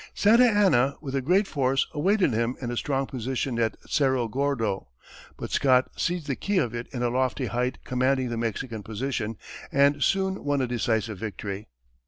Santa Anna, with a great force, awaited him in a strong position at Cerro Gordo, but Scott seized the key of it in a lofty height commanding the Mexican position, and soon won a decisive victory.